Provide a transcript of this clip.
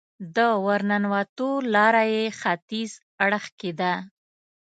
د ورننوتو لاره یې ختیځ اړخ کې ده.